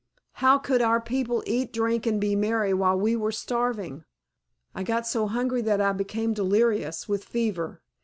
How could our people eat, drink, and be merry while we were starving? I got so hungry that I became delirious with fever.